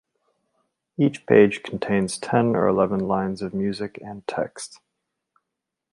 Each page contains ten or eleven lines of music and text.